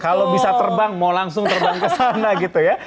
kalau bisa terbang mau langsung terbang ke sana gitu ya